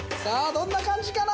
どんな感じかな？